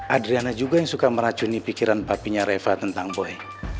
adriana juga yang suka meracuni pikiran papinya reva tentang boy